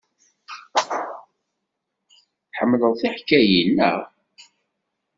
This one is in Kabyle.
Tḥemmled tiḥkayin, naɣ?